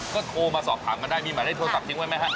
ก็โทรมาสอบถามกันได้มีหมายเลขโทรศัพท์ทิ้งไว้ไหมฮะ